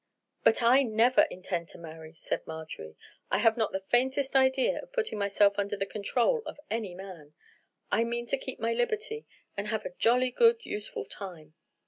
"But I never intend to marry," said Marjorie. "I have not the faintest idea of putting myself under the control of any man. I mean to keep my liberty and have a jolly good, useful time."